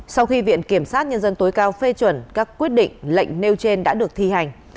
sau khi viện kiểm sát nhân dân tối cao phê chuẩn các quyết định lệnh nêu trên đã được thi hành